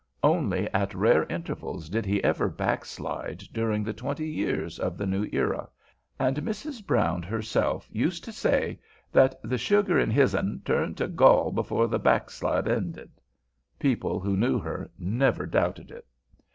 Only at rare intervals did he ever "backslide" during the twenty years of the new era, and Mrs. Brown herself used to say that the "sugar in his'n turned to gall before the backslide ended." People who knew her never doubted it.